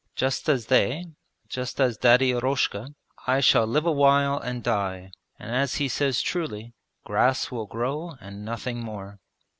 'Just as they, just as Daddy Eroshka, I shall live awhile and die, and as he says truly: "grass will grow and nothing more".